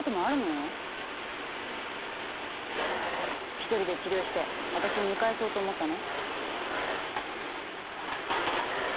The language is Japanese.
一人で治療して私を見返そうと思ったの？